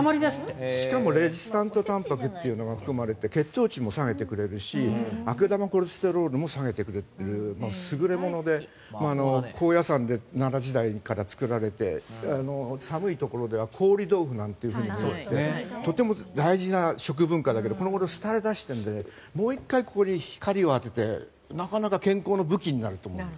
しかもレジスタントたんぱくというのが含まれて血糖値も下げてくれるし悪玉コレステロールも下げてくれる優れもので高野山で奈良時代に作られて寒いところでは凍り豆腐なんて言われてとても大事な食文化だけどこの頃、廃れ出しているのでもう１回、ここに光を当ててなかなか健康の武器になると思います。